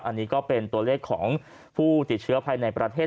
อันนี้ก็เป็นตัวเลขของผู้ติดเชื้อภายในประเทศ